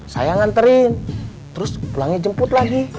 saya nganterin terus pulangnya jemput lagi